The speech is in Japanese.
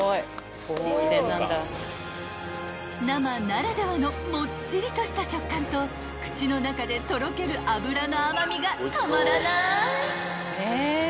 ［生ならではのもっちりとした食感と口の中でとろける脂の甘味がたまらない！］